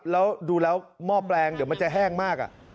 แล้วดูแล้วหม้อแปลงเดี๋ยวมันจะแห้งมาก